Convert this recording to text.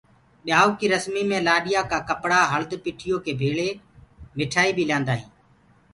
ڀيآئوٚ ڪي رسمي مي لآڏيآ ڪآ ڪپڙا هݪد پِٺيو ڪي ڀيݪی مٺآئي بيٚ ليِآندآ هينٚ۔